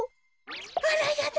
あらやだ。